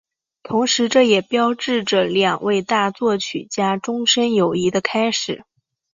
同时这也标志着两位大作曲家终身友谊的开始。